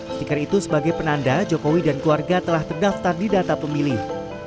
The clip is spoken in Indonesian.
stiker itu sebagai penanda jokowi dan keluarga telah terdaftar di data pemilih